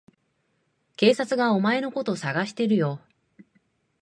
警察がお前のこと捜してるよ。